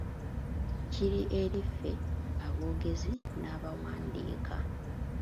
Kiri eri ffe aboogezi n'abawandiika.